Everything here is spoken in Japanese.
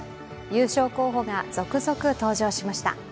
優勝候補が続々登場しました。